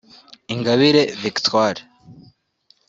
Ingabire Victoire